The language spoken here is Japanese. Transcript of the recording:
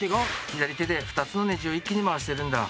左手で、２つのねじを一気に回してるんだ。